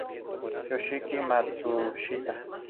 Yoshiki Matsushita